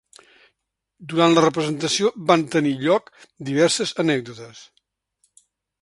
Durant la representació van tenir lloc diverses anècdotes.